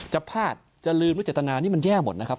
จะพลาดจะลืมว่าเจตนานี่มันแย่หมดนะครับ